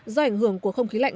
do ảnh hưởng của không khí lạnh